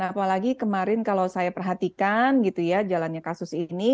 apalagi kemarin kalau saya perhatikan gitu ya jalannya kasus ini